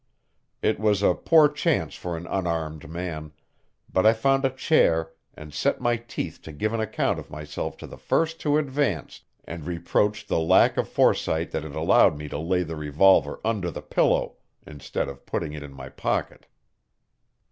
It was a poor chance for an unarmed man, but I found a chair and set my teeth to give an account of myself to the first who advanced, and reproached the lack of foresight that had allowed me to lay the revolver under the pillow instead of putting it in my pocket.